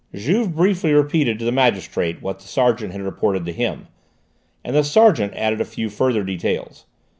Juve briefly repeated to the magistrate what the sergeant had reported to him, and the sergeant added a few further details.